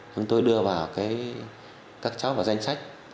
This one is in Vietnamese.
chúng tôi đưa vào các cháu vào danh sách